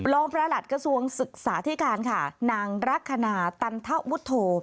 ลองพระหลัดกระทรวงศึกษาที่กาลนางรักขณาตันทะวุทโธ